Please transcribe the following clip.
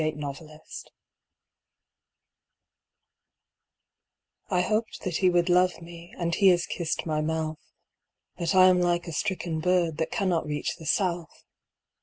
The Kiss I hoped that he would love me, And he has kissed my mouth, But I am like a stricken bird That cannot reach the south.